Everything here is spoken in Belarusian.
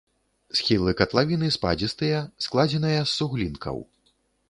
Схілы катлавіны спадзістыя, складзеныя з суглінкаў.